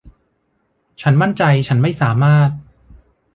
ฉันมั่นใจฉันไม่สามารถ